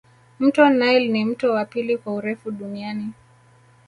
mto nile ni mto wa pili kwa urefu duniani